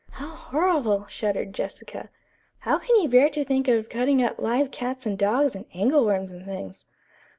"How horrible," shuddered Jessica. "How can you bear to think of cutting up live cats and dogs and angleworms and things."